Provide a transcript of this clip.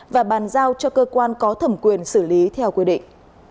và bàn giao cho cơ quan có thẩm quyền xử lý theo quy định